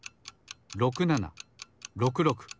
６７６６。